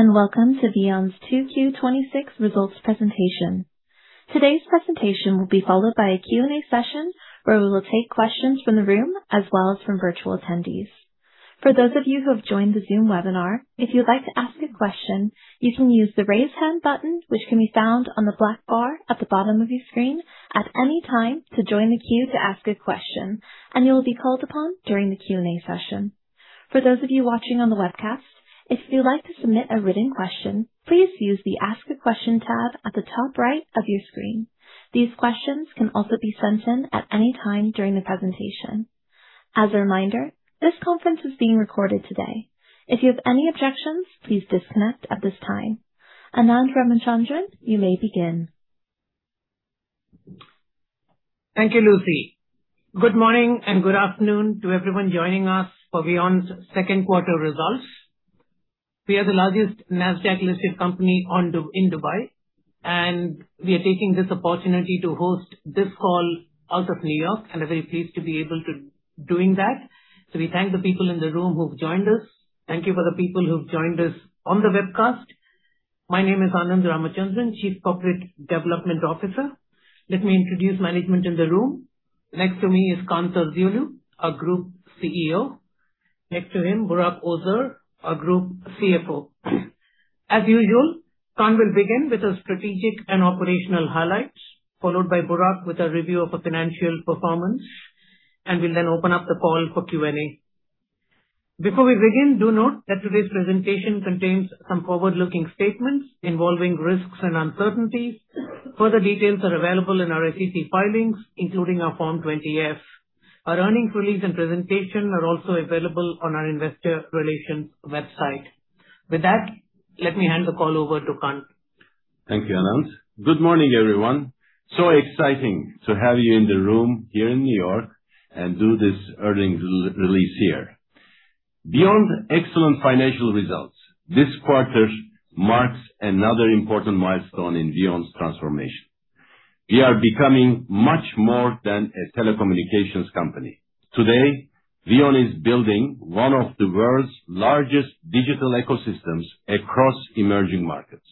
Hello, welcome to VEON's 2Q26 results presentation. Today's presentation will be followed by a Q&A session where we will take questions from the room as well as from virtual attendees. For those of you who have joined the Zoom webinar, if you'd like to ask a question, you can use the raise hand button, which can be found on the black bar at the bottom of your screen, at any time to join the queue to ask a question. You'll be called upon during the Q&A session. For those of you watching on the webcast, if you'd like to submit a written question, please use the Ask a Question tab at the top right of your screen. These questions can also be sent in at any time during the presentation. As a reminder, this conference is being recorded today. If you have any objections, please disconnect at this time. Anand Ramachandran, you may begin. Thank you, Lucy. Good morning and good afternoon to everyone joining us for VEON's second quarter results. We are the largest NASDAQ-listed company in Dubai. We are taking this opportunity to host this call out of New York and are very pleased to be able to doing that. We thank the people in the room who've joined us. Thank you for the people who've joined us on the webcast. My name is Anand Ramachandran, Chief Corporate Development Officer. Let me introduce management in the room. Next to me is Kaan Terzioğlu, our Group CEO. Next to him, Burak Ozer, our Group CFO. As usual, Kaan will begin with the strategic and operational highlights, followed by Burak with a review of our financial performance. We'll then open up the call for Q&A. Before we begin, do note that today's presentation contains some Foward-Looking statements involving risks and uncertainties. Further details are available in our SEC filings, including our Form 20-F. Our earnings release and presentation are also available on our investor relations website. With that, let me hand the call over to Kaan. Thank you, Anand. Good morning, everyone. Exciting to have you in the room here in New York and do this earnings release here. Beyond excellent financial results, this quarter marks another important milestone in VEON's transformation. We are becoming much more than a telecommunications company. Today, VEON is building one of the world's largest digital ecosystems across emerging markets,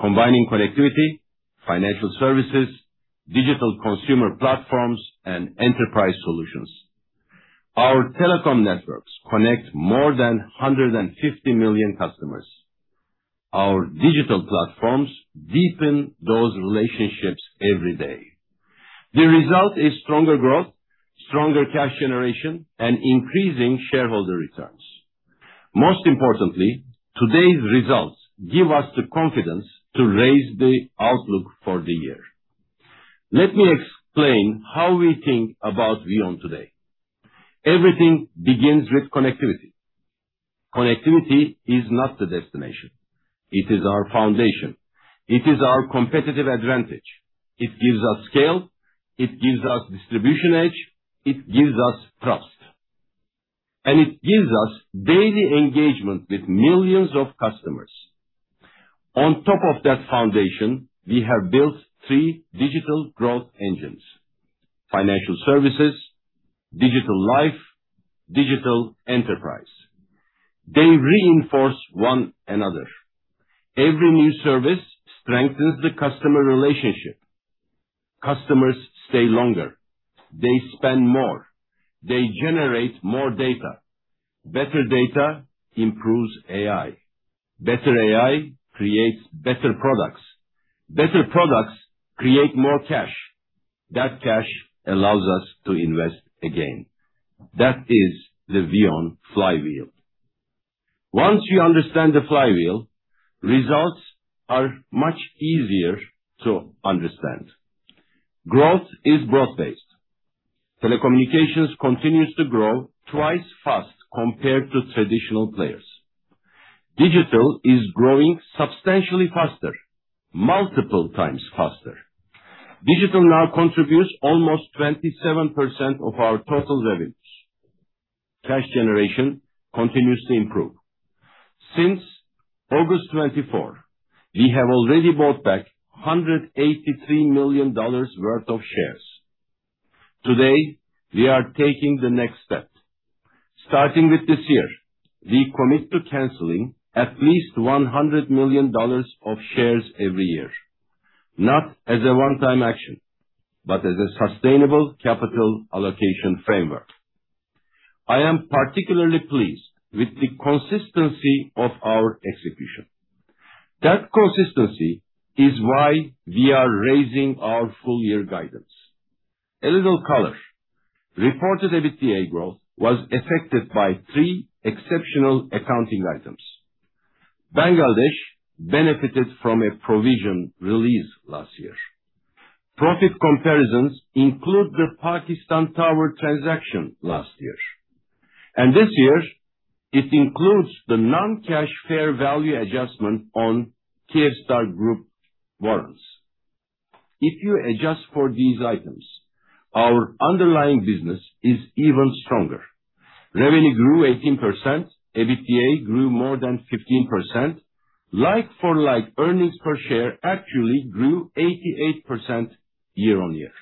combining connectivity, financial services, digital consumer platforms, and enterprise solutions. Our telecom networks connect more than 150 million customers. Our digital platforms deepen those relationships every day. The result is stronger growth, stronger cash generation, and increasing shareholder returns. Most importantly, today's results give us the confidence to raise the outlook for the year. Let me explain how we think about VEON today. Everything begins with connectivity. Connectivity is not the destination. It is our foundation. It is our competitive advantage. It gives us scale, it gives us distribution edge, it gives us trust, and it gives us daily engagement with millions of customers. On top of that foundation, we have built three digital growth engines: financial services, digital life, digital enterprise. They reinforce one another. Every new service strengthens the customer relationship. Customers stay longer. They spend more. They generate more data. Better data improves AI. Better AI creates better products. Better products create more cash. That cash allows us to invest again. That is the VEON flywheel. Once you understand the flywheel, results are much easier to understand. Growth is broad based. Telecommunications continues to grow twice fast compared to traditional players. Digital is growing substantially faster, multiple times faster. Digital now contributes almost 27% of our total revenues. Cash generation continues to improve. Since August 24, we have already bought back $183 million worth of shares. Today, we are taking the next step. Starting with this year, we commit to canceling at least $100 million of shares every year, not as a one-time action, but as a sustainable capital allocation framework. I am particularly pleased with the consistency of our execution. That consistency is why we are raising our full-year guidance. A little color. Reported EBITDA growth was affected by three exceptional accounting items. Bangladesh benefited from a provision release last year. Profit comparisons include the Pakistan tower transaction last year. This year, it includes the non-cash fair value adjustment on Kyivstar Group warrants. If you adjust for these items, our underlying business is even stronger. Revenue grew 18%, EBITDA grew more than 15%, like for like earnings per share actually grew 88% year-on-year.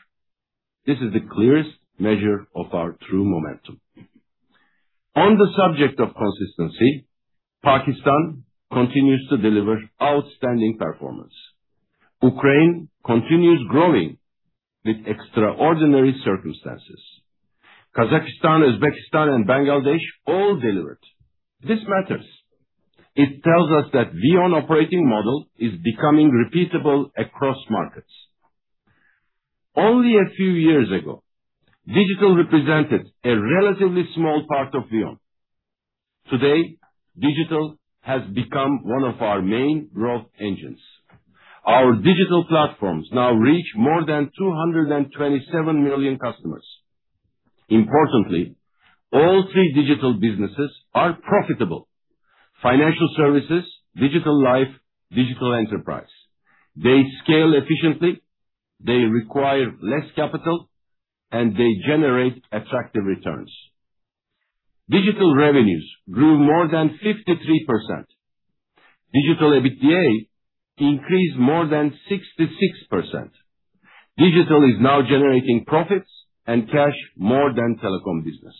This is the clearest measure of our true momentum. On the subject of consistency, Pakistan continues to deliver outstanding performance. Ukraine continues growing with extraordinary circumstances. Kazakhstan, Uzbekistan, and Bangladesh all delivered. This matters. It tells us that VEON operating model is becoming repeatable across markets. Only a few years ago, digital represented a relatively small part of VEON. Today, digital has become one of our main growth engines. Our digital platforms now reach more than 227 million customers. Importantly, all three digital businesses are profitable. Financial services, digital life, digital enterprise. They scale efficiently, they require less capital, and they generate attractive returns. Digital revenues grew more than 53%. Digital EBITDA increased more than 66%. Digital is now generating profits and cash more than telecom business.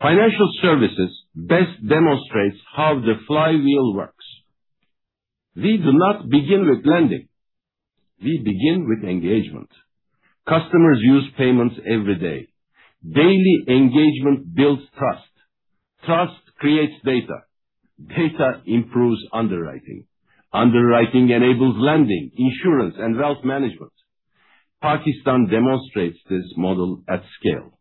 Financial services best demonstrates how the flywheel works. We do not begin with lending. We begin with engagement. Customers use payments every day. Daily engagement builds trust. Trust creates data. Data improves underwriting. Underwriting enables lending, insurance, and wealth management. Pakistan demonstrates this model at scale.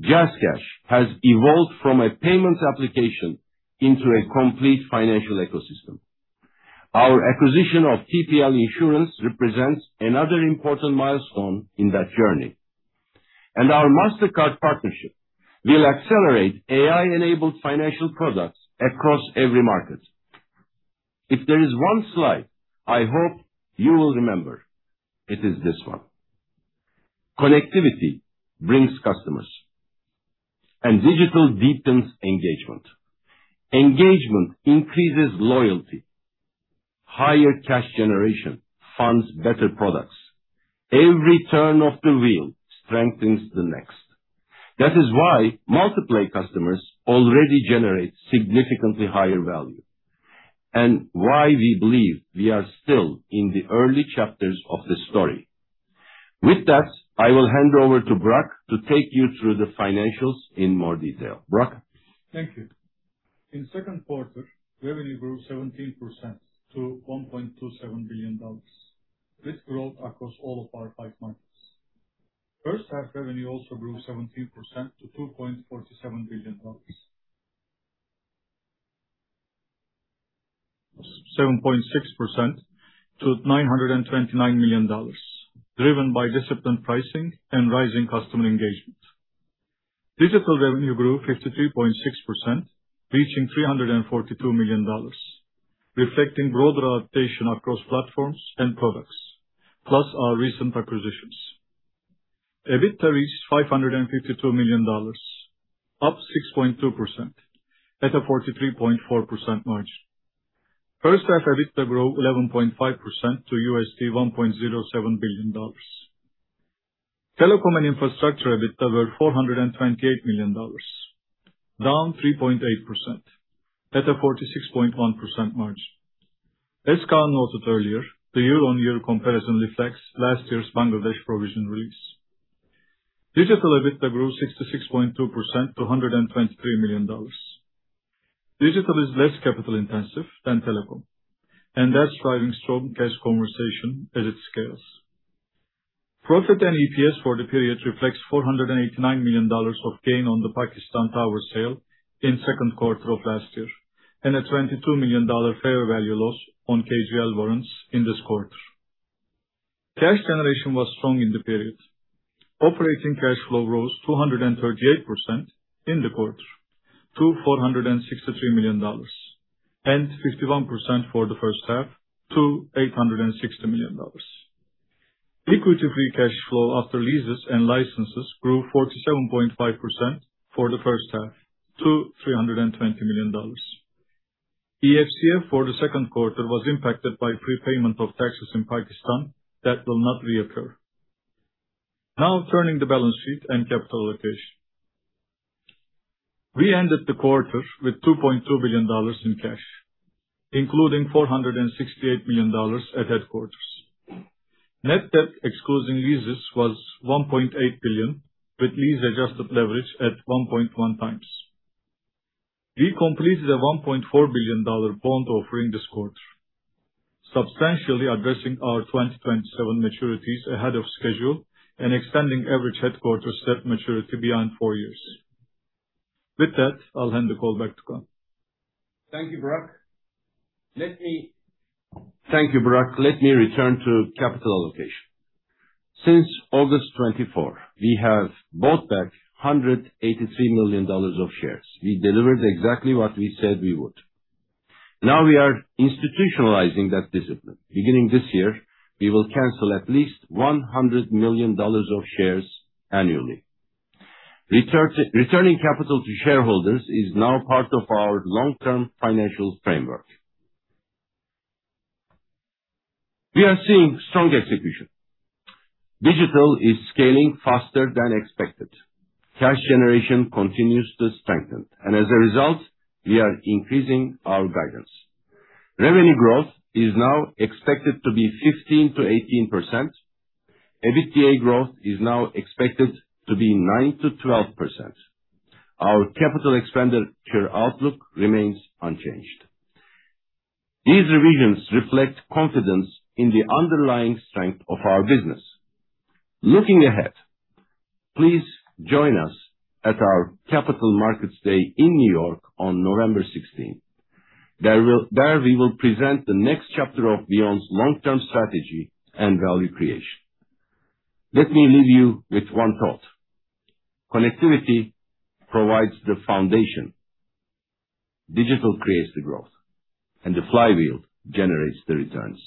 JazzCash has evolved from a payments application into a complete financial ecosystem. Our acquisition of TPL Insurance represents another important milestone in that journey. Our Mastercard partnership will accelerate AI-enabled financial products across every market. If there is one slide I hope you will remember, it is this one. Connectivity brings customers, and digital deepens engagement. Engagement increases loyalty. Higher cash generation funds better products. Every turn of the wheel strengthens the next. That is why multi-play customers already generate significantly higher value, and why we believe we are still in the early chapters of the story. With that, I will hand over to Burak to take you through the financials in more detail. Burak? Thank you. In second quarter, revenue grew 17% to $1.27 billion, with growth across all of our five markets. First half revenue also grew 17% to $2.47 billion. 7.6% to $929 million, driven by disciplined pricing and rising customer engagement. Digital revenue grew 53.6%, reaching $342 million, reflecting broader adaptation across platforms and products, plus our recent acquisitions. EBITDA is $552 million, up 6.2% at a 43.4% margin. First half EBITDA grew 11.5% to $1.07 billion. Telecom and infrastructure EBITDA were $428 million, down 3.8% at a 46.1% margin. As Kaan noted earlier, the year-on-year comparison reflects last year's Bangladesh provision release. Digital EBITDA grew 66.2% to $123 million. Digital is less capital intensive than telecom, and that's driving strong cash conversion as it scales. Profit and EPS for the period reflects $489 million of gain on the Pakistan tower sale in second quarter of last year, and a $22 million fair value loss on KGL warrants in this quarter. Cash generation was strong in the period. Operating cash flow rose 238% in the quarter to $463 million, and 51% for the first half to $860 million. Equity free cash flow after leases and licenses grew 47.5% for the first half to $320 million. EFCF for the second quarter was impacted by prepayment of taxes in Pakistan that will not reoccur. Turning the balance sheet and capital allocation. We ended the quarter with $2.2 billion in cash, including $468 million at headquarters. Net debt, excluding leases, was $1.8 billion, with lease-adjusted leverage at 1.1 times. We completed a $1.4 billion bond offering this quarter, substantially addressing our 2027 maturities ahead of schedule and extending average headquarters debt maturity beyond four years. With that, I'll hand the call back to Kaan. Thank you, Burak. Let me return to capital allocation. Since August 24, we have bought back $183 million of shares. We delivered exactly what we said we would. Now we are institutionalizing that discipline. Beginning this year, we will cancel at least $100 million of shares annually. Returning capital to shareholders is now part of our long-term financial framework. We are seeing strong execution. Digital is scaling faster than expected. Cash generation continues to strengthen, and as a result, we are increasing our guidance. Revenue growth is now expected to be 15%-18%. EBITDA growth is now expected to be 9%-12%. Our capital expenditure outlook remains unchanged. These revisions reflect confidence in the underlying strength of our business. Looking ahead, please join us at our Capital Markets Day in N.Y. on November 16th. There we will present the next chapter of VEON's long-term strategy and value creation. Let me leave you with one thought. Connectivity provides the foundation, digital creates the growth, and the flywheel generates the returns.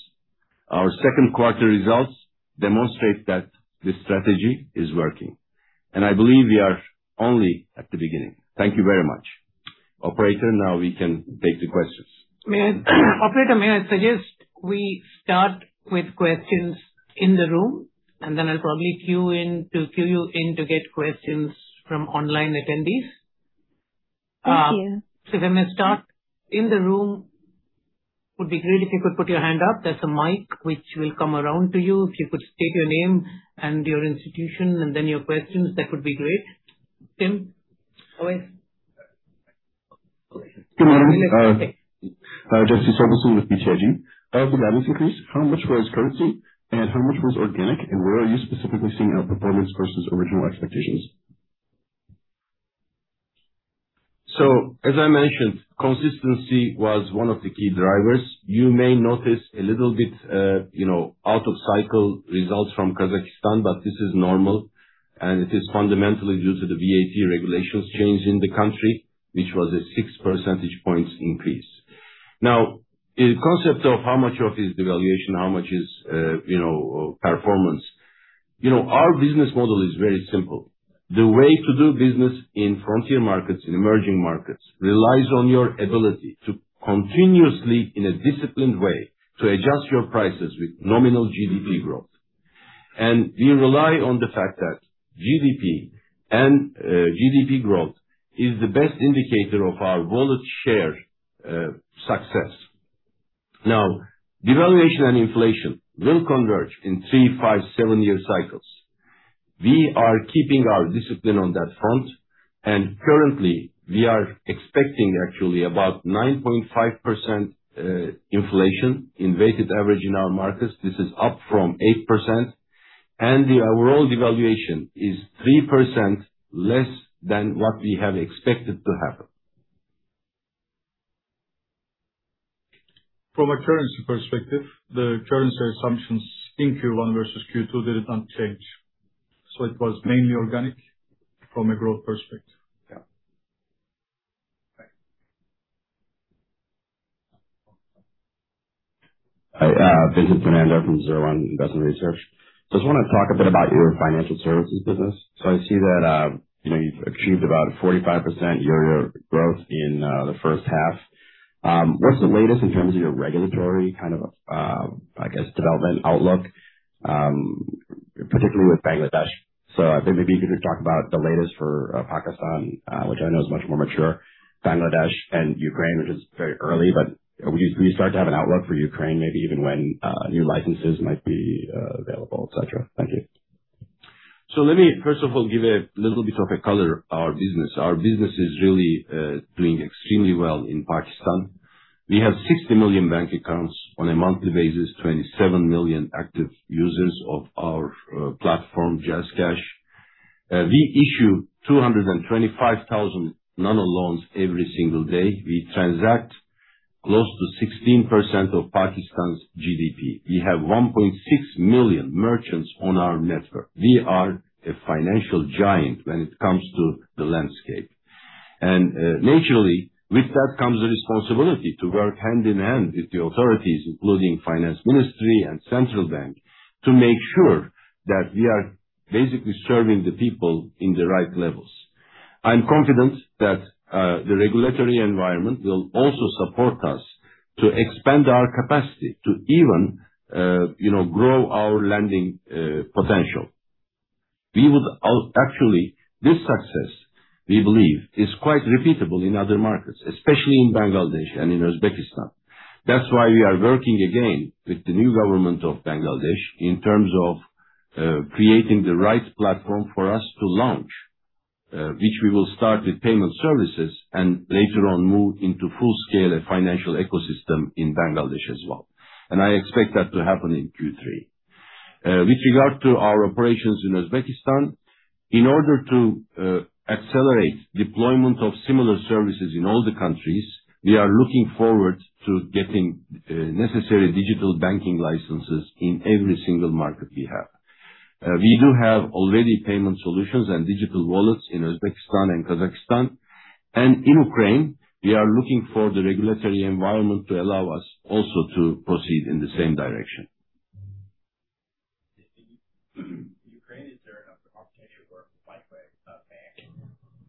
Our second quarter results demonstrate that this strategy is working, and I believe we are only at the beginning. Thank you very much. Operator, now we can take the questions. Operator, may I suggest we start with questions in the room. Then I'll probably queue you in to get questions from online attendees. Thank you. May I start in the room, would be great if you could put your hand up. There is a mic which will come around to you. If you could state your name and your institution and then your questions, that would be great. Tim, go ahead. Good morning. Jesse Sobelson with BTIG. Of the values increase, how much was currency and how much was organic, and where are you specifically seeing a performance versus original expectations? As I mentioned, consistency was one of the key drivers. You may notice a little bit out of cycle results from Kazakhstan, this is normal, and it is fundamentally due to the VAT regulations change in the country, which was a six percentage points increase. In concept of how much of it is devaluation, how much is performance. Our business model is very simple. The way to do business in frontier markets, in emerging markets, relies on your ability to continuously, in a disciplined way, to adjust your prices with nominal GDP growth. We rely on the fact that GDP and GDP growth is the best indicator of our wallet share success. Devaluation and inflation will converge in three, five, seven-year cycles. We are keeping our discipline on that front, and currently we are expecting actually about 9.5% inflation in weighted average in our markets. This is up from 8%, the overall devaluation is 3% less than what we have expected to happen. From a currency perspective, the currency assumptions in Q1 versus Q2 did not change. It was mainly organic from a growth perspective. Yeah. Thanks. Hi, Vincent Fernando from Zero One Investment Research. Just want to talk a bit about your financial services business. I see that you've achieved about a 45% year-over-year growth in the first half. What's the latest in terms of your regulatory development outlook, particularly with Bangladesh? I think maybe if you could talk about the latest for Pakistan, which I know is much more mature, Bangladesh and Ukraine, which is very early, but will you start to have an outlook for Ukraine, maybe even when new licenses might be available, et cetera? Thank you. Let me first of all give a little bit of a color of our business. Our business is really doing extremely well in Pakistan. We have 60 million bank accounts on a monthly basis, 27 million active users of our platform, JazzCash. We issue 225,000 nano loans every single day. We transact close to 16% of Pakistan's GDP. We have 1.6 million merchants on our network. We are a financial giant when it comes to the landscape. Naturally, with that comes a responsibility to work hand in hand with the authorities, including finance ministry and central bank, to make sure that we are basically serving the people in the right levels. I'm confident that the regulatory environment will also support us to expand our capacity to even grow our lending potential. Actually, this success, we believe, is quite repeatable in other markets, especially in Bangladesh and in Uzbekistan. That's why we are working again with the new government of Bangladesh in terms of creating the right platform for us to launch, which we will start with payment services and later on move into full scale a financial ecosystem in Bangladesh as well. I expect that to happen in Q3. With regard to our operations in Uzbekistan, in order to accelerate deployment of similar services in all the countries, we are looking forward to getting necessary digital banking licenses in every single market we have. We do have already payment solutions and digital wallets in Uzbekistan and Kazakhstan. In Ukraine, we are looking for the regulatory environment to allow us also to proceed in the same direction.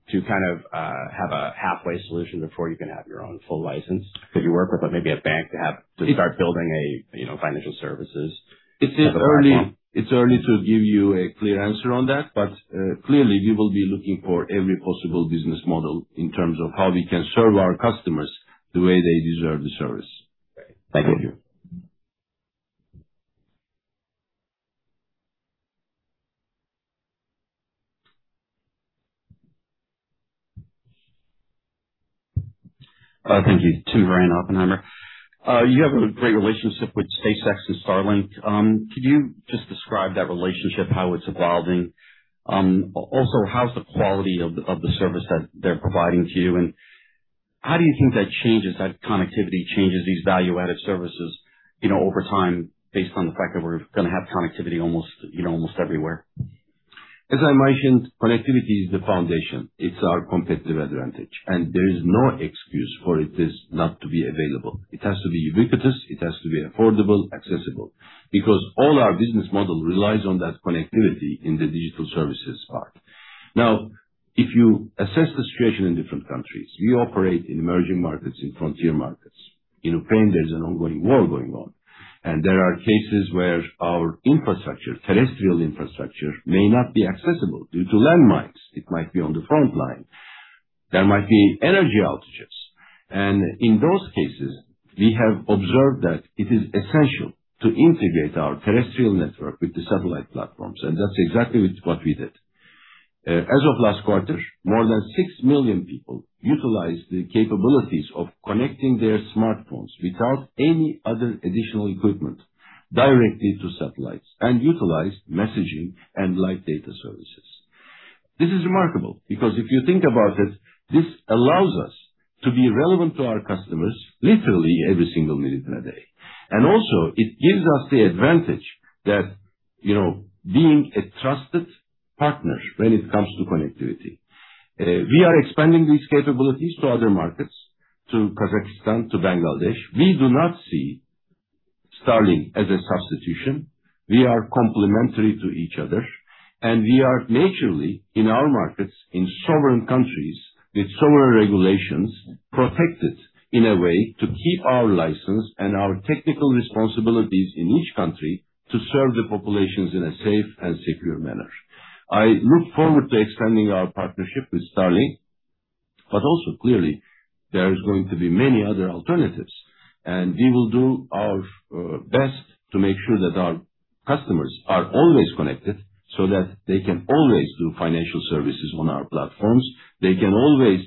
To kind of have a halfway solution before you can have your own full license that you work with, but maybe a bank to start building a financial services type of platform. It's early to give you a clear answer on that, but clearly we will be looking for every possible business model in terms of how we can serve our customers the way they deserve the service. Great. Thank you. Thank you. Tim Ryan, Oppenheimer. You have a great relationship with SpaceX and Starlink. Could you just describe that relationship, how it's evolving? Also, how is the quality of the service that they're providing to you, and how do you think that changes, that connectivity changes these value-added services over time based on the fact that we're going to have connectivity almost everywhere? As I mentioned, connectivity is the foundation. It's our competitive advantage, and there is no excuse for it is not to be available. It has to be ubiquitous, it has to be affordable, accessible, because all our business model relies on that connectivity in the digital services part. Now, if you assess the situation in different countries, we operate in emerging markets, in frontier markets. In Ukraine, there's an ongoing war going on, and there are cases where our infrastructure, terrestrial infrastructure, may not be accessible due to landmines. It might be on the front line. There might be energy outages. In those cases, we have observed that it is essential to integrate our terrestrial network with the satellite platforms. That's exactly what we did. As of last quarter, more than six million people utilized the capabilities of connecting their smartphones without any other additional equipment directly to satellites and utilized messaging and light data services. This is remarkable because if you think about it, this allows us to be relevant to our customers literally every single minute in a day. Also it gives us the advantage that being a trusted partner when it comes to connectivity. We are expanding these capabilities to other markets, to Kazakhstan, to Bangladesh. We do not see Starlink as a substitution. We are complementary to each other. We are naturally in our markets, in sovereign countries, with sovereign regulations, protected in a way to keep our license and our technical responsibilities in each country to serve the populations in a safe and secure manner. I look forward to expanding our partnership with Starlink. Also clearly there is going to be many other alternatives. We will do our best to make sure that our customers are always connected so that they can always do financial services on our platforms. They can always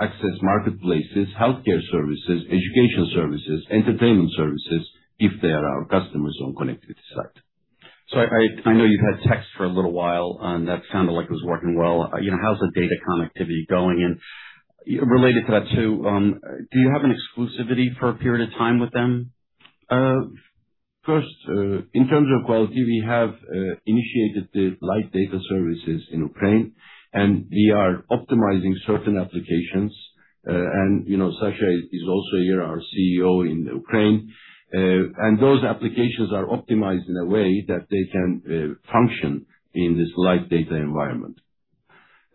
access marketplaces, healthcare services, education services, entertainment services if they are our customers on connected site. I know you've had text for a little while, that sounded like it was working well. How's the data connectivity going? Related to that too, do you have an exclusivity for a period of time with them? First, in terms of quality, we have initiated the light data services in Ukraine, we are optimizing certain applications. Sasha is also here, our CEO in Ukraine. Those applications are optimized in a way that they can function in this light data environment.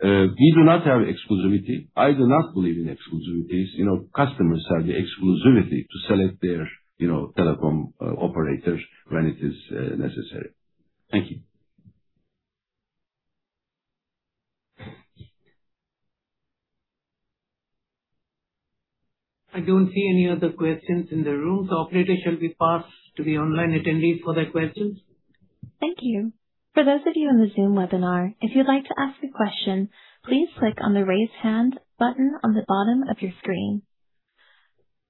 We do not have exclusivity. I do not believe in exclusivities. Customers have the exclusivity to select their telecom operators when it is necessary. Thank you. I don't see any other questions in the room, operator shall we pass to the online attendees for their questions. Thank you. For those of you in the Zoom webinar, if you'd like to ask a question, please click on the Raise Hand button on the bottom of your screen.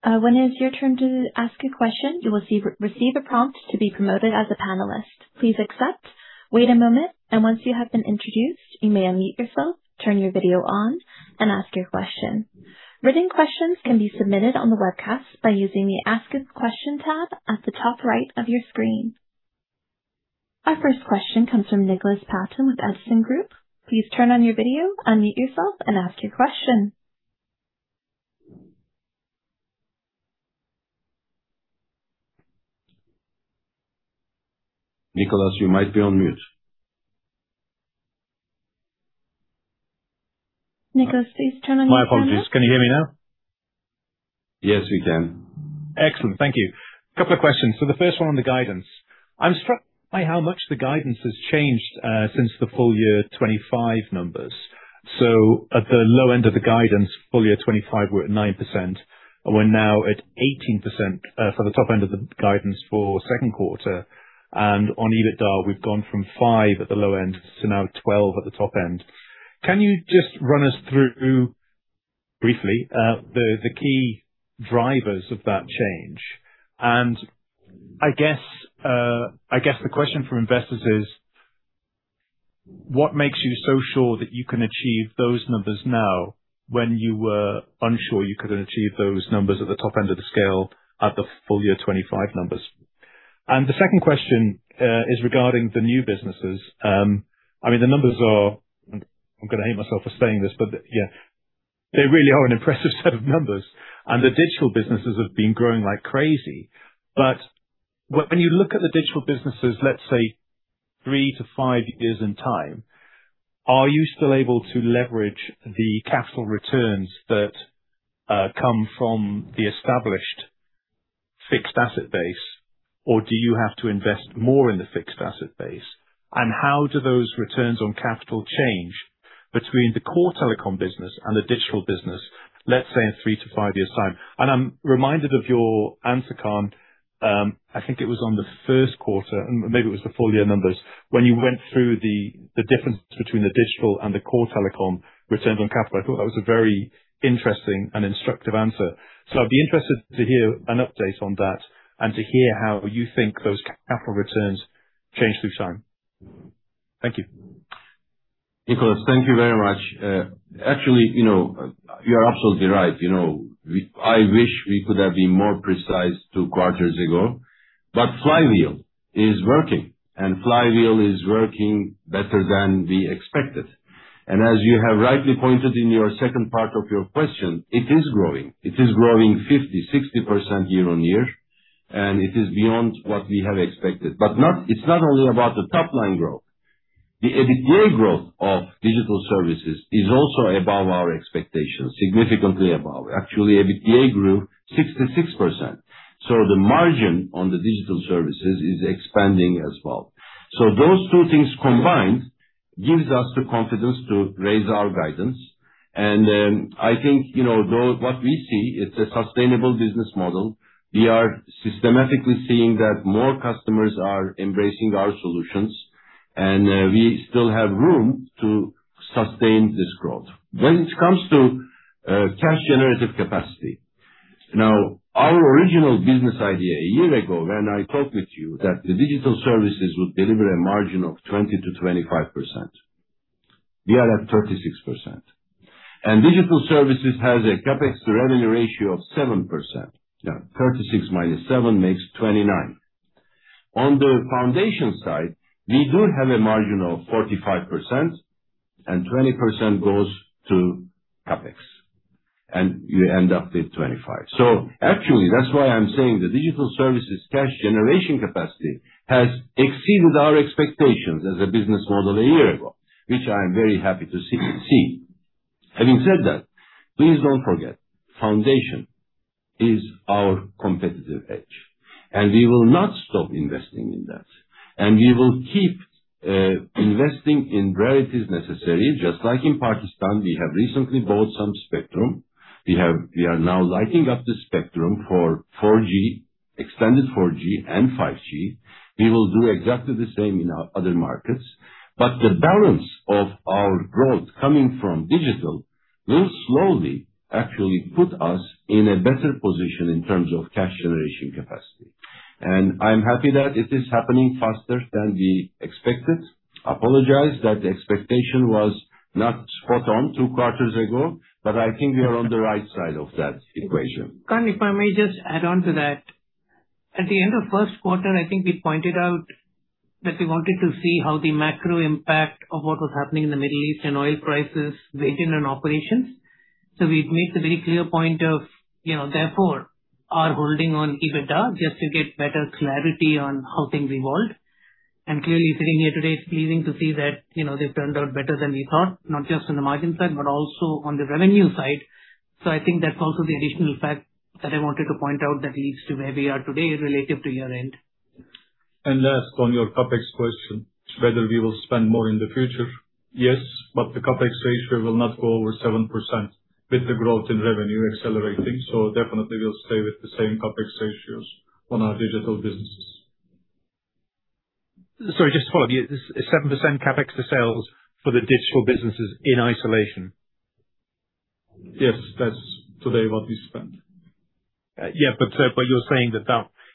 When it is your turn to ask a question, you will receive a prompt to be promoted as a panelist. Please accept, wait a moment, once you have been introduced, you may unmute yourself, turn your video on, and ask your question. Written questions can be submitted on the webcast by using the Ask a Question tab at the top right of your screen. Our first question comes from Nick Paton with Edison Group. Please turn on your video, unmute yourself, and ask your question. Nicholas, you might be on mute. Nicholas, please turn on your video. My apologies. Can you hear me now? Yes, we can. Excellent. Thank you. Couple of questions. The first one on the guidance. I'm struck by how much the guidance has changed since the full-year 2025 numbers. At the low end of the guidance full-year 2025, we're at 9%. We're now at 18% for the top end of the guidance for second quarter. On EBITDA, we've gone from five at the low end to now 12 at the top end. Can you just run us through, briefly, the key drivers of that change? I guess the question for investors is, what makes you so sure that you can achieve those numbers now when you were unsure you could achieve those numbers at the top end of the scale at the full-year 2025 numbers? The second question is regarding the new businesses. The numbers are, I'm gonna hate myself for saying this, they really are an impressive set of numbers, the digital businesses have been growing like crazy. When you look at the digital businesses, let's say three to five years in time, are you still able to leverage the capital returns that come from the established fixed asset base? Do you have to invest more in the fixed asset base? How do those returns on capital change between the core telecom business and the digital business, let's say, in three to five years' time? I'm reminded of your answer, Kaan. I think it was on the first quarter, maybe it was the full-year numbers, when you went through the difference between the digital and the core telecom returns on capital. I thought that was a very interesting and instructive answer. I'd be interested to hear an update on that and to hear how you think those capital returns change through time. Thank you. Nicholas, thank you very much. Actually, you are absolutely right. I wish we could have been more precise two quarters ago. Flywheel is working, flywheel is working better than we expected. As you have rightly pointed in your second part of your question, it is growing. It is growing 50%-60% year-on-year, and it is beyond what we have expected. It's not only about the top-line growth. The EBITDA growth of digital services is also above our expectations, significantly above. Actually, EBITDA grew 66%. The margin on the digital services is expanding as well. Those two things combined gives us the confidence to raise our guidance. I think what we see, it's a sustainable business model. We are systematically seeing that more customers are embracing our solutions, and we still have room to sustain this growth. When it comes to cash generative capacity. Our original business idea a year ago when I talked with you, that the digital services would deliver a margin of 20%-25%. We are at 36%. Digital services has a CapEx revenue ratio of 7%. 36 minus 7 makes 29. On the foundation side, we do have a margin of 45%, 20% goes to CapEx, you end up with 25. Actually, that's why I'm saying the digital services cash generation capacity has exceeded our expectations as a business model a year ago, which I am very happy to see. Having said that, please don't forget, foundation is our competitive edge. We will not stop investing in that. We will keep investing in where it is necessary. Just like in Pakistan, we have recently bought some spectrum. We are now lighting up the spectrum for 4G, extended 4G, and 5G. We will do exactly the same in our other markets. The balance of our growth coming from digital will slowly actually put us in a better position in terms of cash generation capacity. I'm happy that it is happening faster than we expected. Apologize that the expectation was not spot on two quarters ago. I think we are on the right side of that equation. Kaan, if I may just add on to that. At the end of first quarter, I think we pointed out that we wanted to see how the macro impact of what was happening in the Middle East and oil prices weighed in on operations. We'd made the very clear point of, therefore, our holding on EBITDA, just to get better clarity on how things evolved. Clearly sitting here today, it's pleasing to see that this turned out better than we thought, not just on the margin side, also on the revenue side. I think that's also the additional fact that I wanted to point out that leads to where we are today relative to year-end. Last, on your CapEx question, whether we will spend more in the future. Yes, but the CapEx ratio will not go over 7% with the growth in revenue accelerating. Definitely, we'll stay with the same CapEx ratios on our digital businesses. Sorry, just to follow-up with you. Is this a 7% CapEx to sales for the digital businesses in isolation? Yes. That's today what we spend. Yeah. You're saying that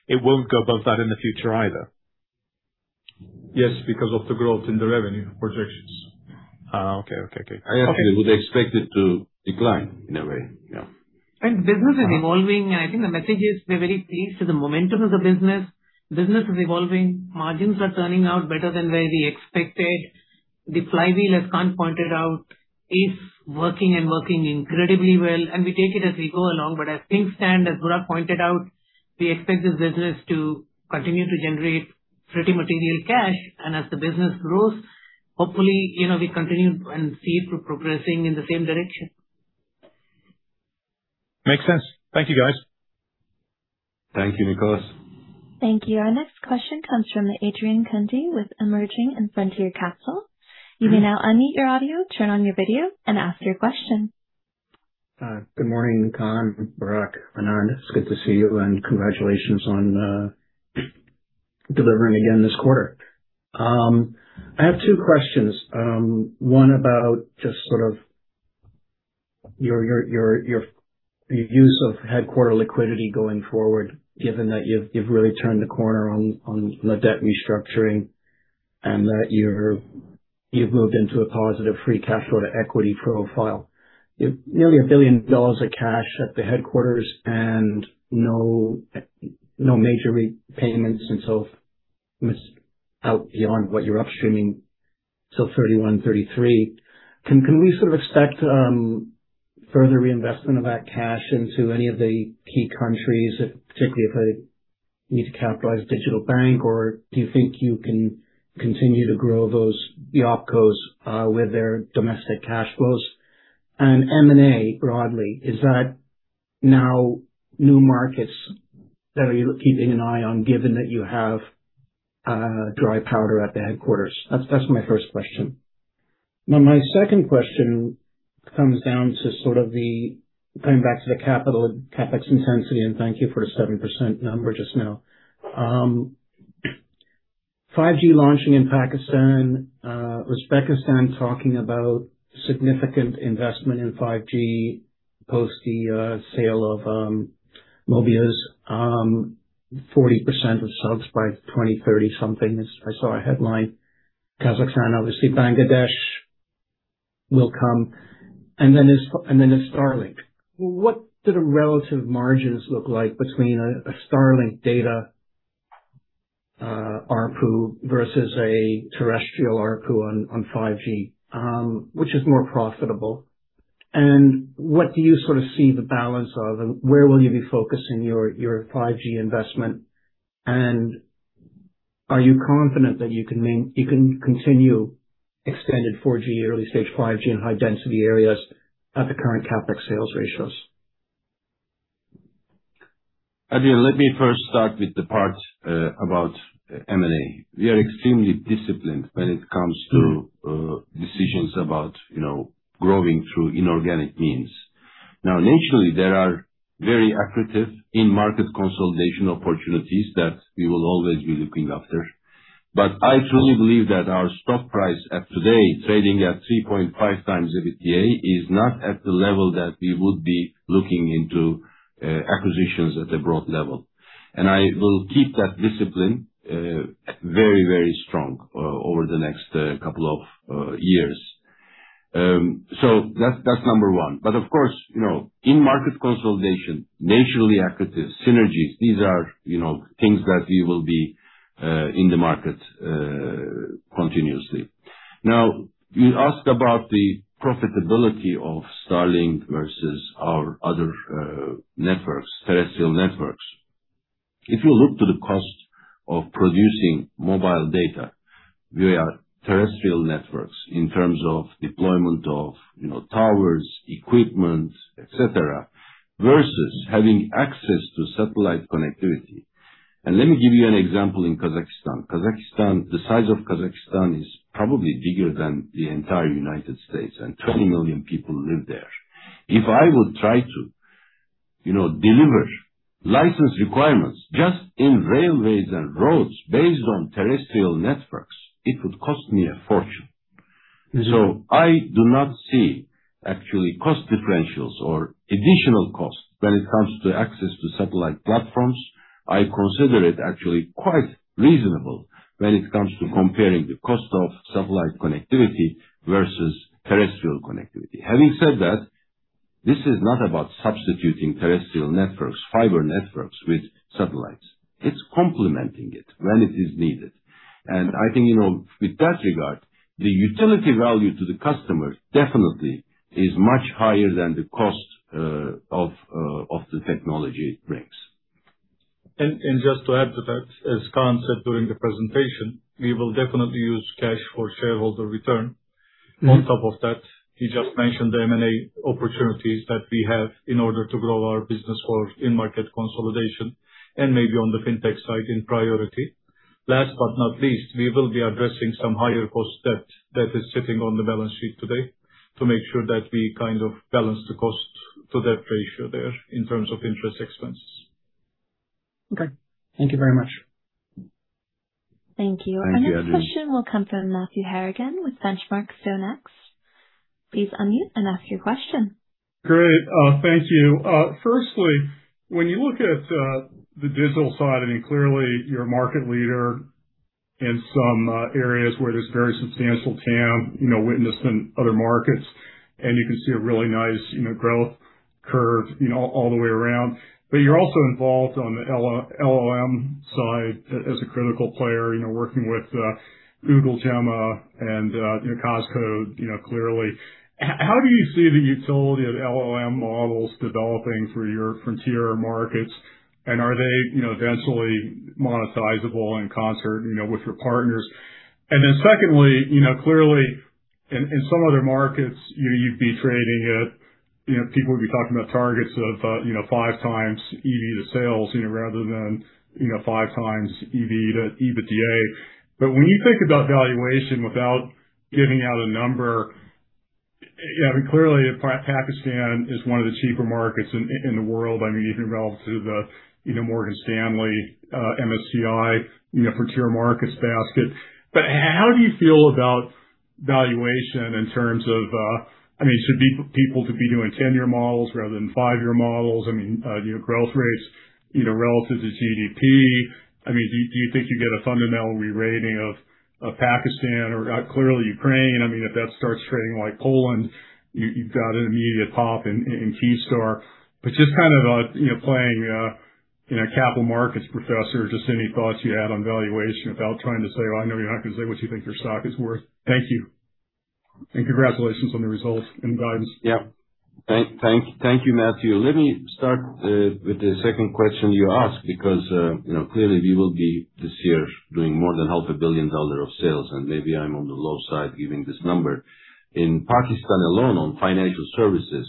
it won't go above that in the future either? Yes, because of the growth in the revenue projections. Oh, okay. I actually would expect it to decline in a way. Yeah. Business is evolving. I think the message is we're very pleased with the momentum of the business. Business is evolving. Margins are turning out better than where we expected. The flywheel, as Kaan pointed out, is working and working incredibly well, and we take it as we go along. As things stand, as Burak pointed out, we expect this business to continue to generate pretty material cash. As the business grows, hopefully, we continue and see it progressing in the same direction. Makes sense. Thank you, guys. Thank you, Nicholas. Thank you. Our next question comes from Adrian Cundy with Emerging & Frontier Capital. You can now unmute your audio, turn on your video and ask your question. Good morning, Kaan, Burak, Anand. It's good to see you, and congratulations on delivering again this quarter. I have two questions. One about just sort of your use of headquarter liquidity going forward, given that you've really turned the corner on the debt restructuring and that you've moved into a positive free cash flow to equity profile. You've nearly $1 billion of cash at the headquarters and no major repayments until out beyond what you're upstreaming 2031, 2033. Can we sort of expect further reinvestment of that cash into any of the key countries, particularly if they need to capitalize digital bank? Do you think you can continue to grow those opcos with their domestic cash flows? M&A broadly, is that now new markets that you're keeping an eye on, given that you have dry powder at the headquarters? That's my first question. My second question comes down to the going back to the CapEx intensity, and thank you for the 7% number just now. 5G launching in Pakistan, Uzbekistan talking about significant investment in 5G post the sale of Mobiuz, 40% of subs by 2030 something, I saw a headline. Kazakhstan, obviously Bangladesh will come. Then there's Starlink. What do the relative margins look like between a Starlink data ARPU versus a terrestrial ARPU on 5G? Which is more profitable? What do you sort of see the balance of, and where will you be focusing your 5G investment? Are you confident that you can continue extended 4G, early stage 5G in high density areas at the current CapEx sales ratios? Adrian, let me first start with the part about M&A. We are extremely disciplined when it comes to decisions about growing through inorganic means. Naturally, there are very accretive in-market consolidation opportunities that we will always be looking after. I truly believe that our stock price at today, trading at 3.5x EBITDA, is not at the level that we would be looking into acquisitions at a broad level. I will keep that discipline very strong over the next couple of years. That's number one. Of course, in market consolidation, naturally accretive synergies, these are things that we will be in the market continuously. You ask about the profitability of Starlink versus our other networks, terrestrial networks. If you look to the cost of producing mobile data via terrestrial networks in terms of deployment of towers, equipment, et cetera, versus having access to satellite connectivity. Let me give you an example in Kazakhstan. The size of Kazakhstan is probably bigger than the entire U.S., and 20 million people live there. If I would try to deliver license requirements just in railways and roads based on terrestrial networks, it would cost me a fortune. I do not see actually cost differentials or additional cost when it comes to access to satellite platforms. I consider it actually quite reasonable when it comes to comparing the cost of satellite connectivity versus terrestrial connectivity. Having said that, this is not about substituting terrestrial networks, fiber networks with satellites. It's complementing it when it is needed. I think, with that regard, the utility value to the customer definitely is much higher than the cost of the technology brings. Just to add to that, as Kaan said during the presentation, we will definitely use cash for shareholder return. On top of that, he just mentioned the M&A opportunities that we have in order to grow our business for in-market consolidation and maybe on the fintech side in priority. Last but not least, we will be addressing some higher cost debt that is sitting on the balance sheet today to make sure that we kind of balance the cost to debt ratio there in terms of interest expenses. Okay. Thank you very much. Thank you. Thank you, Adrian. Our next question will come from Matthew Harrigan with Benchmark StoneX. Please unmute and ask your question. Great. Thank you. Firstly, when you look at the digital side, I mean, clearly you're a market leader in some areas where there's very substantial TAM, witnessed in other markets, and you can see a really nice growth curve all the way around. You're also involved on the LLM side as a critical player, working with Google Gemma and COSCO, clearly. How do you see the utility of LLM models developing for your frontier markets, and are they eventually monetizable in concert with your partners? Secondly, clearly in some other markets, people would be talking about targets of 5 times EV to sales, rather than 5 times EV to EBITDA. But when you think about valuation without giving out a number, I mean, clearly, Pakistan is one of the cheaper markets in the world. I mean, even relative to the Morgan Stanley MSCI frontier markets basket. How do you feel about valuation in terms of, I mean, should people be doing 10-year models rather than five-year models? I mean, growth rates relative to GDP. I mean, do you think you get a fundamental re-rating of Pakistan or clearly Ukraine? I mean, if that starts trading like Poland, you've got an immediate pop in Kyivstar. Just kind of playing In a capital markets professor, just any thoughts you had on valuation without trying to say, well, I know you're not going to say what you think your stock is worth. Thank you. Congratulations on the results and guidance. Thank you, Matthew. Let me start with the second question you asked, because clearly we will be this year doing more than half a billion dollar of sales, and maybe I'm on the low side giving this number. In Pakistan alone on financial services,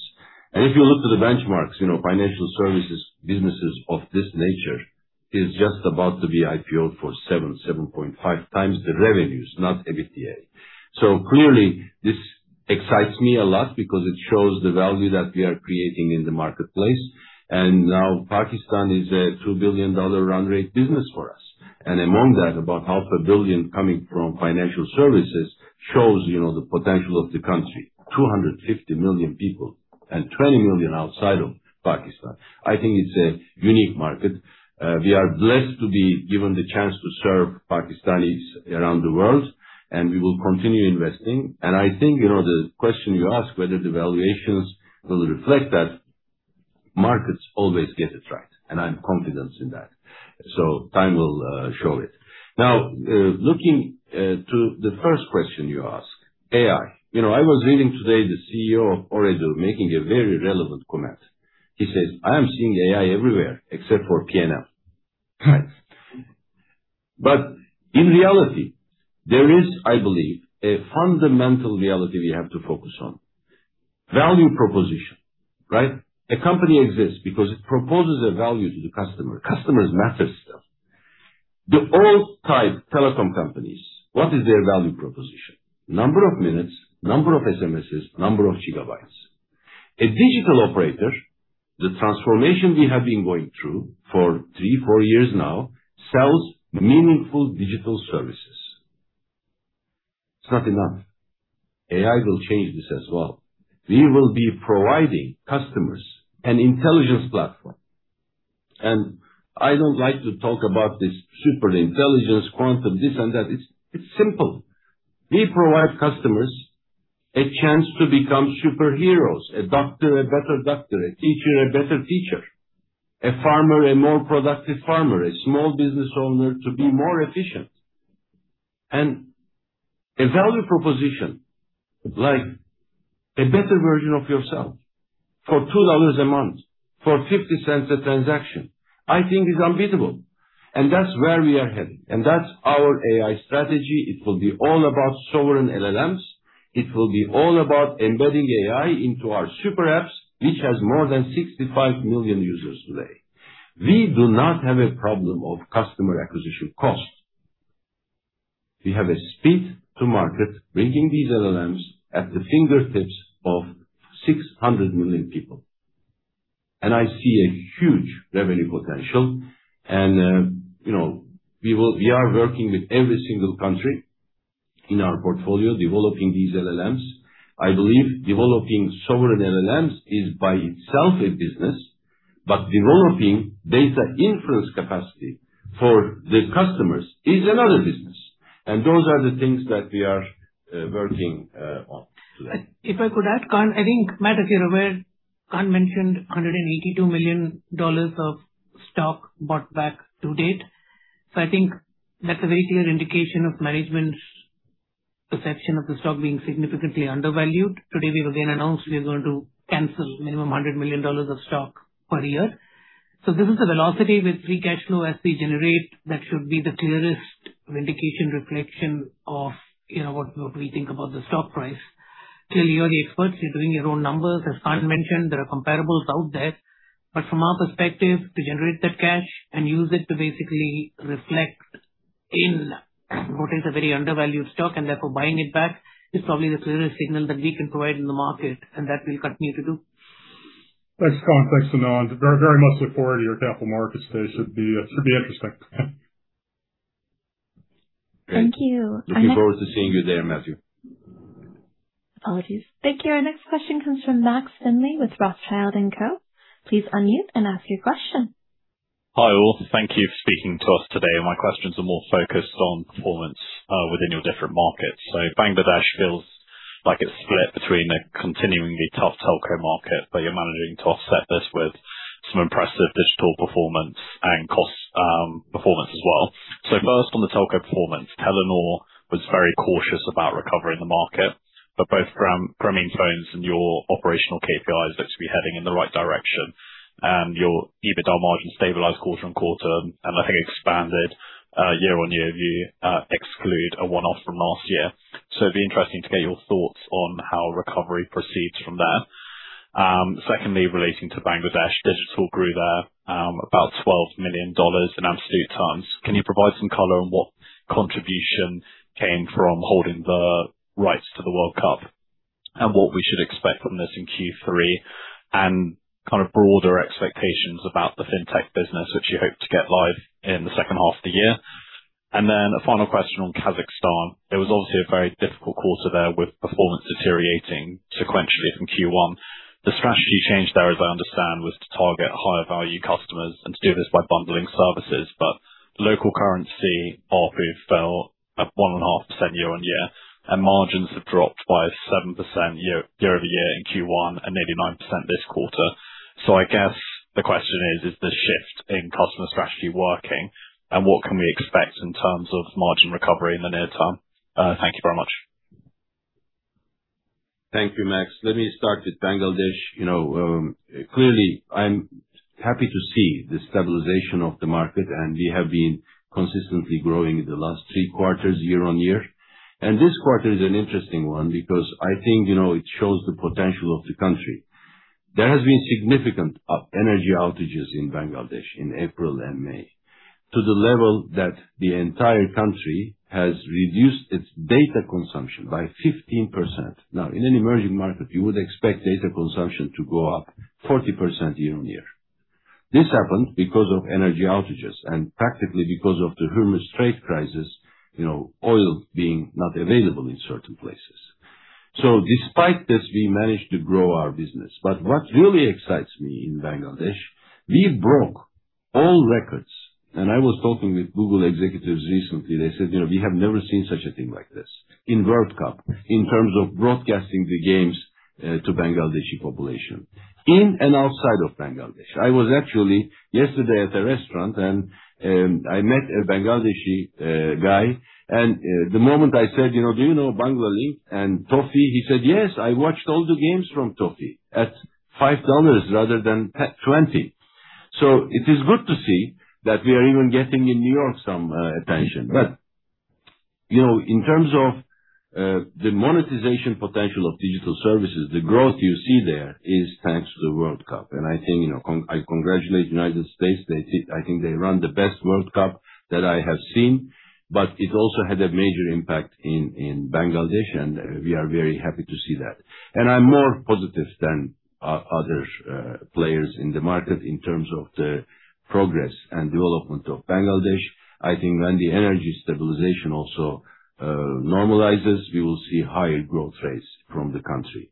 and if you look to the benchmarks, financial services businesses of this nature is just about to be IPOd for 7.5 times the revenues, not EBITDA. Clearly this excites me a lot because it shows the value that we are creating in the marketplace. Now Pakistan is a $2 billion run rate business for us. Among that, about half a billion coming from financial services shows the potential of the country. 250 million people and 20 million outside of Pakistan. I think it's a unique market. We are blessed to be given the chance to serve Pakistanis around the world, we will continue investing. I think, the question you asked whether the valuations will reflect that, markets always get it right, and I'm confident in that. Time will show it. Looking to the first question you asked, AI. I was reading today the CEO of Ooredoo making a very relevant comment. He says, "I am seeing AI everywhere except for P&L." In reality, there is, I believe, a fundamental reality we have to focus on. Value proposition, right? A company exists because it proposes a value to the customer. Customers matter still. The old type telecom companies, what is their value proposition? Number of minutes, number of SMSs, number of gigabytes. A digital operator, the transformation we have been going through for three, four years now, sells meaningful digital services. It's not enough. AI will change this as well. We will be providing customers an intelligence platform. I don't like to talk about this super intelligence, quantum, this and that. It's simple. We provide customers a chance to become superheroes, a doctor, a better doctor, a teacher, a better teacher, a farmer, a more productive farmer, a small business owner to be more efficient. A value proposition like a better version of yourself for $2 a month, for $0.50 a transaction, I think is unbeatable. That's where we are heading. That's our AI strategy. It will be all about sovereign LLMs. It will be all about embedding AI into our super apps, which has more than 65 million users today. We do not have a problem of customer acquisition cost. We have a speed to market, bringing these LLMs at the fingertips of 600 million people. I see a huge revenue potential. We are working with every single country in our portfolio developing these LLMs. I believe developing sovereign LLMs is by itself a business, but developing data inference capacity for the customers is another business. Those are the things that we are working on today. If I could add, Kaan, I think, Matt, if you're aware, Kaan mentioned $182 million of stock bought back to date. I think that's a very clear indication of management's perception of the stock being significantly undervalued. Today, we've again announced we are going to cancel minimum $100 million of stock per year. This is a velocity with free cash flow as we generate that should be the clearest vindication reflection of what we think about the stock price. Still, you're the experts. You're doing your own numbers. As Kaan mentioned, there are comparables out there. From our perspective, to generate that cash and use it to basically reflect in what is a very undervalued stock, and therefore buying it back, is probably the clearest signal that we can provide in the market, and that we'll continue to do. Thanks, Kaan. Thanks, Anand. Very much look forward to your Capital Markets Day should be interesting. Thank you. Looking forward to seeing you there, Matthew. Apologies. Thank you. Our next question comes from Max Findlay with Rothschild & Co. Please unmute and ask your question. Hi, all. Thank you for speaking to us today. My questions are more focused on performance within your different markets. Bangladesh feels like it's split between a continuingly tough telco market, but you're managing to offset this with some impressive digital performance and cost performance as well. First on the telco performance, Telenor was very cautious about recovering the market, but both from incoming phones and your operational KPIs looks to be heading in the right direction, and your EBITDA margin stabilized quarter-over-quarter and I think expanded year-over-year if you exclude a one-off from last year. It'd be interesting to get your thoughts on how recovery proceeds from there. Secondly, relating to Bangladesh, digital grew there about $12 million in absolute terms. Can you provide some color on what contribution came from holding the rights to the World Cup and what we should expect from this in Q3? Kind of broader expectations about the fintech business, which you hope to get live in the second half of the year. A final question on Kazakhstan. It was obviously a very difficult quarter there with performance deteriorating sequentially from Q1. The strategy change there, as I understand, was to target higher value customers and to do this by bundling services. Local currency ARPU fell at 1.5% year-over-year, and margins have dropped by 7% year-over-year in Q1 and nearly 9% this quarter. I guess the question is the shift in customer strategy working? What can we expect in terms of margin recovery in the near term? Thank you very much. Thank you, Max. Let me start with Bangladesh. Clearly, I'm happy to see the stabilization of the market, and we have been consistently growing in the last three quarters year-over-year. This quarter is an interesting one because I think it shows the potential of the country. There has been significant energy outages in Bangladesh in April and May, to the level that the entire country has reduced its data consumption by 15%. Now, in an emerging market, you would expect data consumption to go up 40% year-over-year. This happened because of energy outages and practically because of the Hormuz Strait crisis, oil being not available in certain places. Despite this, we managed to grow our business. What really excites me in Bangladesh, we broke all records. I was talking with Google executives recently, they said, "We have never seen such a thing like this in World Cup in terms of broadcasting the games to Bangladeshi population in and outside of Bangladesh." I was actually yesterday at a restaurant, and I met a Bangladeshi guy, and the moment I said, "Do you know Bengali and Toffee?" He said, "Yes, I watched all the games from Toffee at $5 rather than $20." It is good to see that we are even getting in New York some attention. In terms of the monetization potential of digital services, the growth you see there is thanks to the World Cup. I congratulate United States. I think they run the best World Cup that I have seen, but it also had a major impact in Bangladesh, and we are very happy to see that. I'm more positive than other players in the market in terms of the progress and development of Bangladesh. I think when the energy stabilization also normalizes, we will see higher growth rates from the country.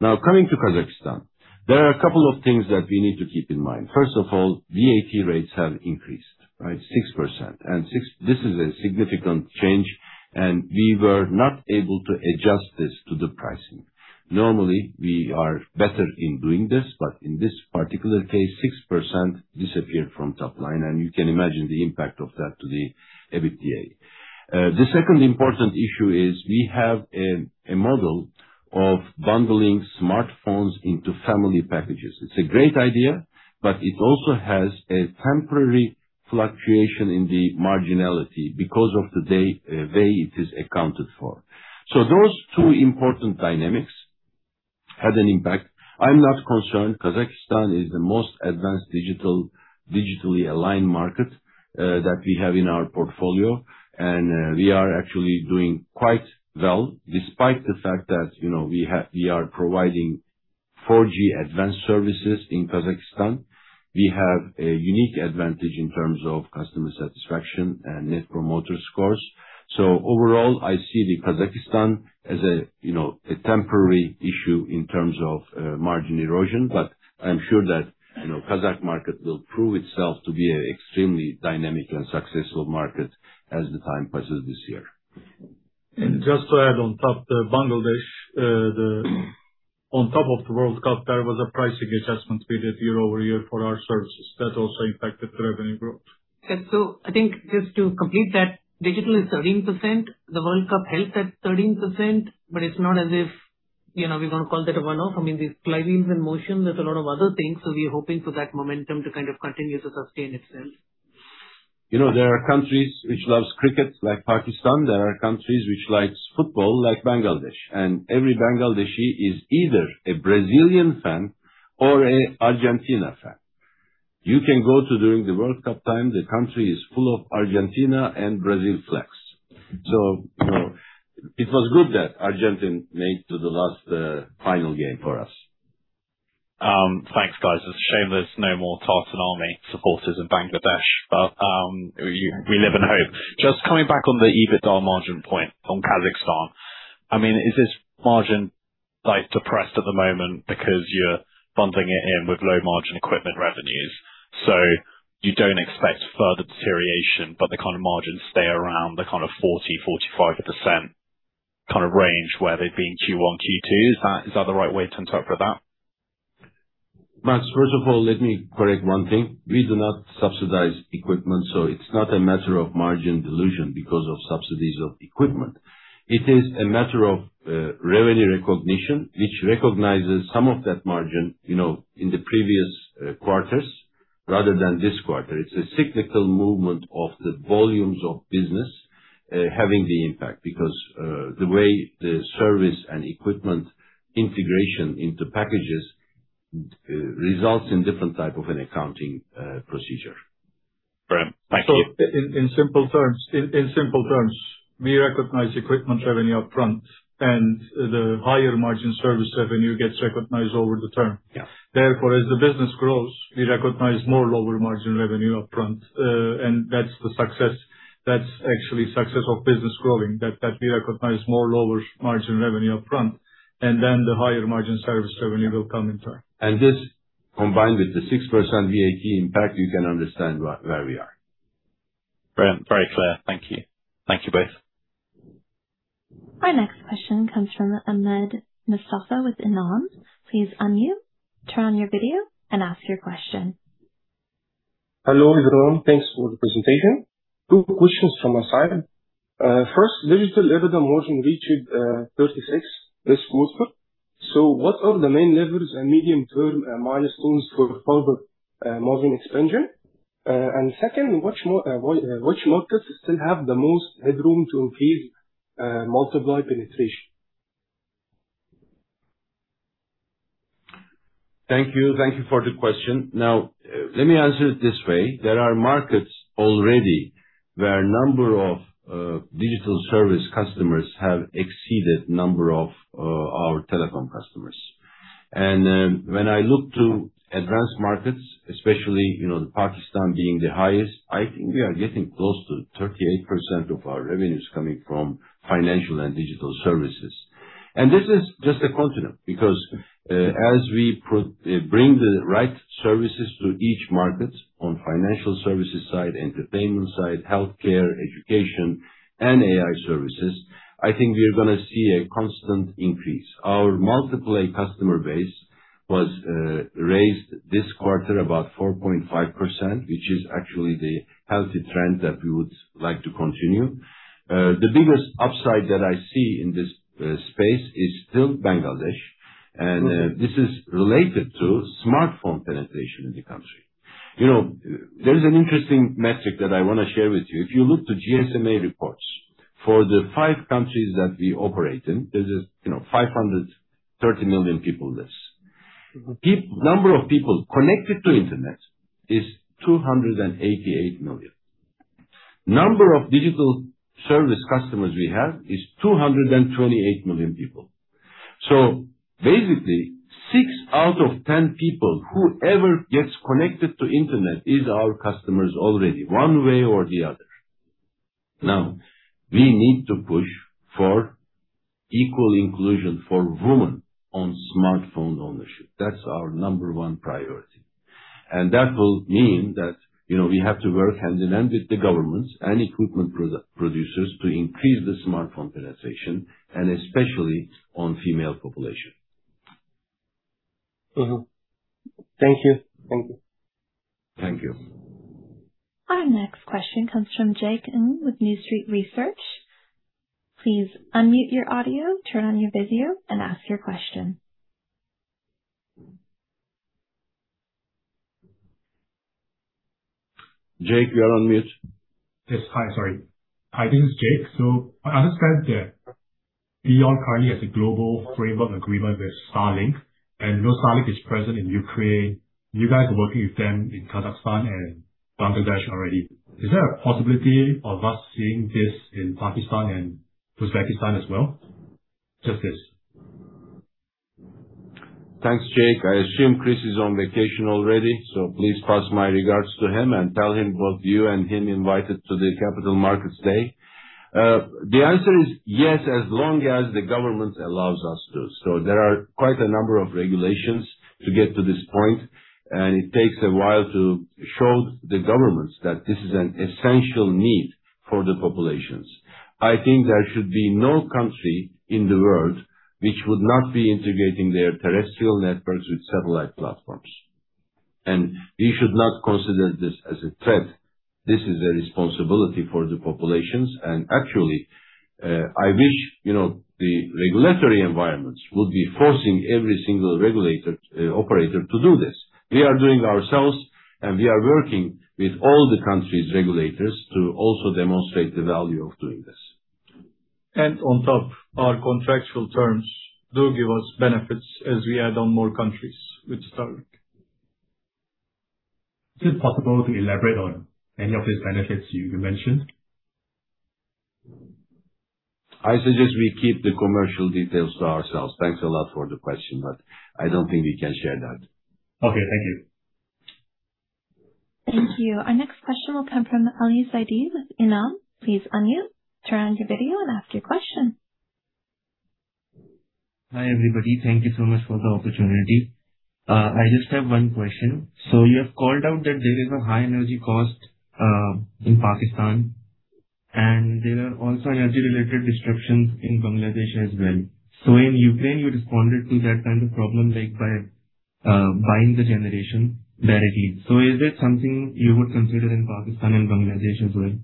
Now, coming to Kazakhstan, there are a couple of things that we need to keep in mind. First of all, VAT rates have increased by 6%. This is a significant change, and we were not able to adjust this to the pricing. Normally, we are better in doing this, but in this particular case, 6% disappeared from top line, and you can imagine the impact of that to the EBITDA. The second important issue is we have a model of bundling smartphones into family packages. It's a great idea, but it also has a temporary fluctuation in the marginality because of the way it is accounted for. Those two important dynamics had an impact. I'm not concerned. Kazakhstan is the most advanced digitally aligned market that we have in our portfolio, and we are actually doing quite well despite the fact that we are providing 4G advanced services in Kazakhstan. We have a unique advantage in terms of customer satisfaction and net promoter scores. Overall, I see the Kazakhstan as a temporary issue in terms of margin erosion, but I'm sure that Kazakh market will prove itself to be an extremely dynamic and successful market as the time passes this year. Just to add on top the Bangladesh, on top of the World Cup, there was a pricing adjustment we did year-over-year for our services. That also impacted the revenue growth. I think just to complete that, digital is 13%. The World Cup helped that 13%, it's not as if we want to call that a one-off. I mean, there's flywheels in motion. There's a lot of other things. We're hoping for that momentum to kind of continue to sustain itself. There are countries which loves cricket like Pakistan. There are countries which likes football like Bangladesh. Every Bangladeshi is either a Brazilian fan or a Argentina fan. You can go to during the World Cup time, the country is full of Argentina and Brazil flags. It was good that Argentina made to the last final game for us. Thanks, guys. It's shameless. No more tariff anomaly supporters in Bangladesh. We live in hope. Just coming back on the EBITDA margin point on Kazakhstan. I mean, is this margin depressed at the moment because you're bundling it in with low margin equipment revenues? You don't expect further deterioration, but the kind of margins stay around the kind of 40%-45% kind of range where they've been Q1, Q2. Is that the right way to interpret that? Max, first of all, let me correct one thing. We do not subsidize equipment, it's not a matter of margin dilution because of subsidies of equipment. It is a matter of revenue recognition, which recognizes some of that margin in the previous quarters rather than this quarter. It's a cyclical movement of the volumes of business having the impact because the way the service and equipment integration into packages results in different type of an accounting procedure. Right. Thank you. In simple terms, we recognize equipment revenue up front, and the higher margin service revenue gets recognized over the term. Therefore, as the business grows, we recognize more lower margin revenue up front, and that's the success. That's actually success of business growing, that we recognize more lower margin revenue up front, and then the higher margin service revenue will come in turn. Combined with the 6% VAT impact, you can understand where we are. Brilliant. Very clear. Thank you. Thank you both. Our next question comes from Ahmed Mostafa with Inam. Please unmute, turn on your video and ask your question. Hello, everyone. Thanks for the presentation. Two questions from my side. First, digital ARPU margin reached 36% this quarter. What are the main levers and medium-term milestones for further margin expansion? Second, which markets still have the most headroom to increase multi-play penetration? Thank you. Thank you for the question. Now, let me answer it this way. There are markets already where number of digital service customers have exceeded number of our telecom customers. When I look to advanced markets, especially Pakistan being the highest, I think we are getting close to 38% of our revenues coming from financial and digital services. This is just a constant, because as we bring the right services to each market on financial services side, entertainment side, healthcare, education, and AI services, I think we are going to see a constant increase. Our multi-play customer base was raised this quarter about 4.5%, which is actually the healthy trend that we would like to continue. The biggest upside that I see in this space is still Bangladesh, and this is related to smartphone penetration in the country. There's an interesting metric that I want to share with you. If you look to GSMA reports, for the five countries that we operate in, this is 530 million people lives. Number of people connected to internet is 288 million. Number of digital service customers we have is 228 million people. Basically, six out of 10 people, whoever gets connected to internet is our customers already, one way or the other. Now, we need to push for equal inclusion for women on smartphone ownership. That's our number one priority. That will mean that we have to work hand-in-hand with the governments and equipment producers to increase the smartphone penetration, and especially on female population. Thank you. Thank you. Our next question comes from Jake Ng with New Street Research. Please unmute your audio, turn on your video and ask your question. Jake, you are on mute. Yes. Hi, sorry. Hi, this is Jake. I understand that VEON currently has a global framework agreement with Starlink, and we know Starlink is present in Ukraine. You guys are working with them in Kazakhstan and Bangladesh already. Is there a possibility of us seeing this in Pakistan and Uzbekistan as well? Just this. Thanks, Jake. I assume Chris is on vacation already, please pass my regards to him and tell him both you and him invited to the Capital Markets Day. The answer is yes, as long as the government allows us to. There are quite a number of regulations to get to this point, and it takes a while to show the governments that this is an essential need for the populations. I think there should be no country in the world which would not be integrating their terrestrial networks with satellite platforms. We should not consider this as a threat. This is a responsibility for the populations. Actually, I wish the regulatory environments would be forcing every single operator to do this. We are doing ourselves, and we are working with all the countries' regulators to also demonstrate the value of doing this. On top, our contractual terms do give us benefits as we add on more countries with Starlink. Is it possible to elaborate on any of these benefits you mentioned? I suggest we keep the commercial details to ourselves. Thanks a lot for the question, but I don't think we can share that. Okay. Thank you. Thank you. Our next question will come from Ali Zaidi with Inam. Please unmute, turn on your video and ask your question. Hi, everybody. Thank you so much for the opportunity. I just have one question. You have called out that there is a high energy cost in Pakistan, and there are also energy-related disruptions in Bangladesh as well. In Ukraine, you responded to that kind of problem by buying the generation there again. Is that something you would consider in Pakistan and Bangladesh as well?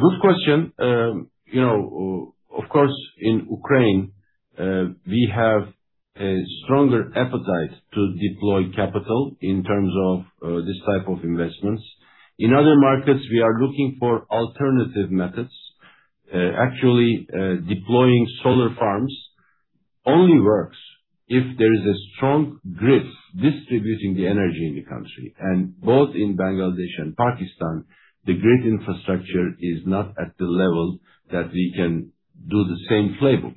Good question. Of course, in Ukraine, we have a stronger appetite to deploy capital in terms of this type of investments. In other markets, we are looking for alternative methods. Actually, deploying solar farms only works if there is a strong grid distributing the energy in the country. Both in Bangladesh and Pakistan, the grid infrastructure is not at the level that we can do the same playbook.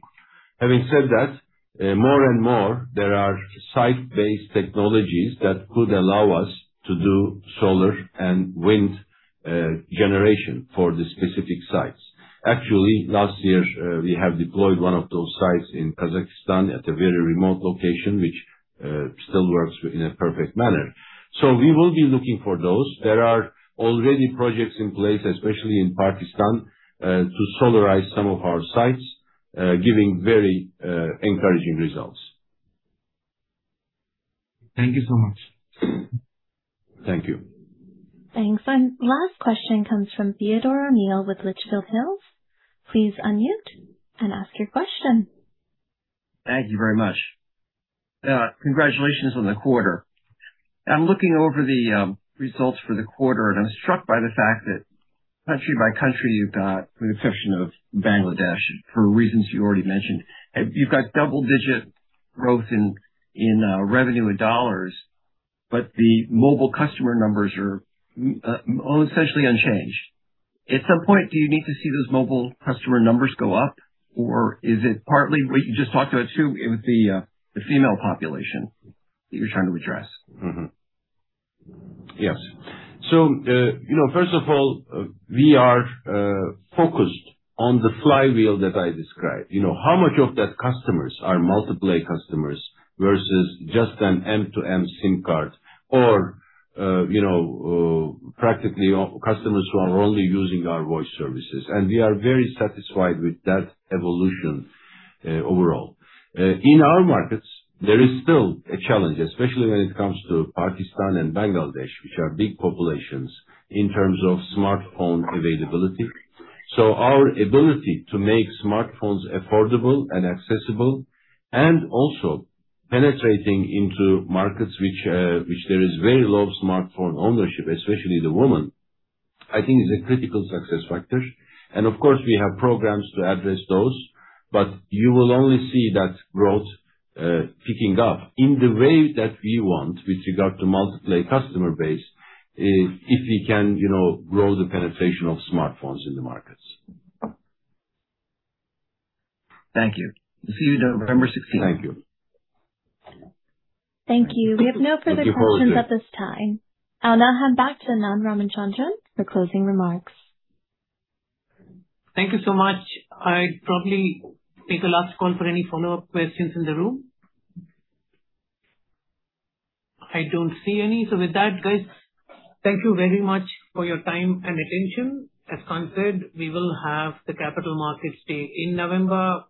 Having said that, more and more, there are site-based technologies that could allow us to do solar and wind generation for the specific sites. Actually, last year, we have deployed one of those sites in Kazakhstan at a very remote location, which still works in a perfect manner. We will be looking for those. There are already projects in place, especially in Pakistan, to solarize some of our sites, giving very encouraging results. Thank you so much. Thank you. Thanks. Last question comes from Theodore O'Neill with Litchfield Hills. Please unmute and ask your question. Thank you very much. Congratulations on the quarter. I'm looking over the results for the quarter, and I'm struck by the fact that country by country, you've got, with the exception of Bangladesh, for reasons you already mentioned, you've got double-digit growth in revenue in dollars, but the mobile customer numbers are all essentially unchanged. At some point, do you need to see those mobile customer numbers go up? Or is it partly what you just talked about, too, with the female population that you're trying to address? Yes. First of all, we are focused on the flywheel that I described. How much of that customers are multi-play customers versus just an end-to-end SIM card or practically customers who are only using our voice services. We are very satisfied with that evolution overall. In our markets, there is still a challenge, especially when it comes to Pakistan and Bangladesh, which are big populations in terms of smartphone availability. Our ability to make smartphones affordable and accessible and also penetrating into markets which there is very low smartphone ownership, especially the women, I think is a critical success factor. Of course, we have programs to address those, but you will only see that growth picking up in the way that we want with regard to multi-play customer base, if we can grow the penetration of smartphones in the markets. Thank you. See you November 16th. Thank you. Thank you. We have no further questions at this time. I'll now hand back to Anand Ramachandran for closing remarks. Thank you so much. I'd probably take a last call for any follow-up questions in the room. I don't see any. With that, guys, thank you very much for your time and attention. As Kaan said, we will have the Capital Markets Day in November,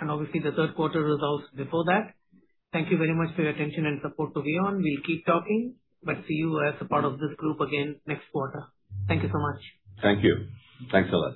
and obviously the third quarter results before that. Thank you very much for your attention and support to VEON. We'll keep talking, see you as a part of this group again next quarter. Thank you so much. Thank you. Thanks a lot